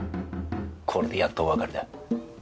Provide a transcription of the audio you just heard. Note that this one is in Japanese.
これでやっとお別れだ。